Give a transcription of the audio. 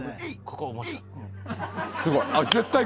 ここ面白い。